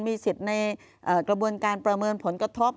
มีสิทธิ์ในกระบวนการประเมินผลกระทบ